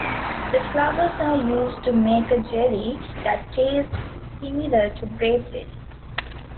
The flowers are used to make a jelly that tastes similar to grape jelly.